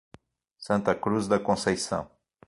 Santa Cruz da Conceição